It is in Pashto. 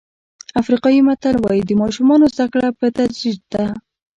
افریقایي متل وایي د ماشومانو زده کړه په تدریج ده.